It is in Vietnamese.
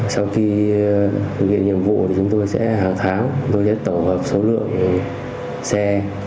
sau khi thực hiện nhiệm vụ thì chúng tôi sẽ hàng tháng tổ hợp số lượng xe